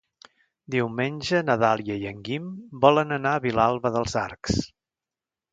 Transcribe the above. Diumenge na Dàlia i en Guim volen anar a Vilalba dels Arcs.